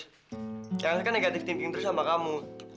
eyang sekarang negatif negatif terus sama kamu